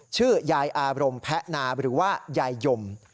ชื่อยายอารมณ์แพะนาหรือว่ายายยม